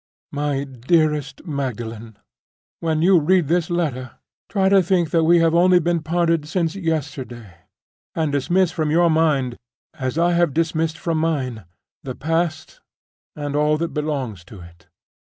"MY DEAREST MAGDALEN, "When you read this letter, try to think we have only been parted since yesterday; and dismiss from your mind (as I have dismissed from mine) the past and all that belongs to it.